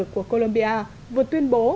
của colombia vừa tuyên bố